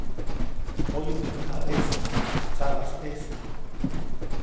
Poyu teʼ mäjaʼejsi. teʼ sabajsʼejsi.